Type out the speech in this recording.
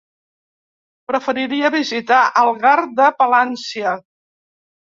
Preferiria visitar Algar de Palància.